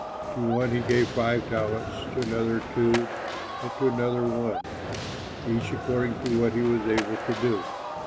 To one he gave five talents, to another two, and to another one, each according to what he was able to do.